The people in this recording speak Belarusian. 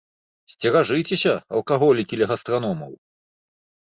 Сцеражыцеся, алкаголікі ля гастраномаў!